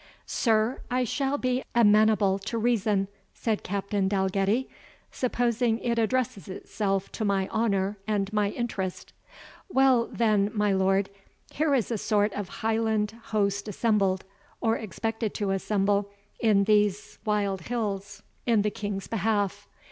"Sir, I shall be amenable to reason," said Captain Dalgetty, "supposing it addresses itself to my honour and my interest. Well, then, my lord, here is a sort of Highland host assembled, or expected to assemble, in these wild hills, in the King's behalf.